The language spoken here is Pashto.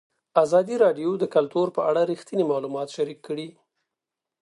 ازادي راډیو د کلتور په اړه رښتیني معلومات شریک کړي.